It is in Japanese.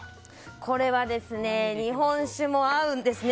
これは、日本酒も合うんですね。